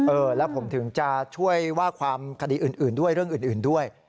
เออแล้วผมถึงจะช่วยว่าความคดีอื่นด้วยเรื่องอื่นด้วย